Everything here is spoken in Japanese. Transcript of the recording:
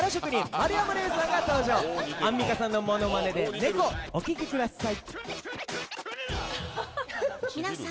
アンミカさんのモノマネで「猫」お聴きください